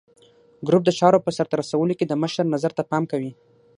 ګروپ د چارو په سرته رسولو کې د مشر نظر ته پام کوي.